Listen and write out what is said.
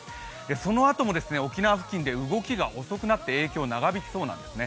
そのあとも沖縄付近動きが遅くなって影響、長引きそうなんですね。